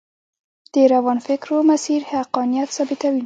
د روښانفکرو مسیر حقانیت ثابتوي.